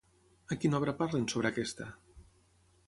A quina obra parlen sobre aquesta?